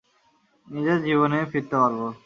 নিজের জীবনে ফিরতে পারব!